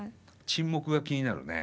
沈黙が気になるね。